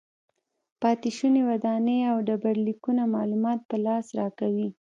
پاتې شوې ودانۍ او ډبرلیکونه معلومات په لاس راکوي.